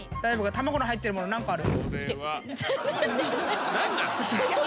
卵の入ってる物何個ある？